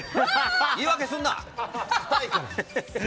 言い訳すんな！